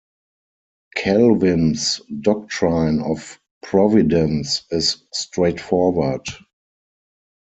Calvin's doctrine of providence is straightforward.